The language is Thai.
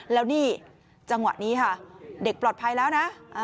แล้วนี่จังหวะนี้ค่ะเด็กปลอดภัยแล้วนะ